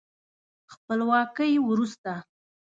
خپلواکۍ وروسته